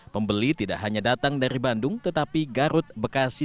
pembeli tidak hanya datang dari bandung tetapi garut bekasi